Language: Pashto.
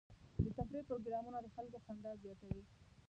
د تفریح پروګرامونه د خلکو خندا زیاتوي.